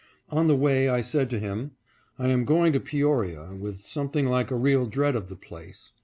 On the way I said to him, " I am going to Peoria with something like a real dread of the place.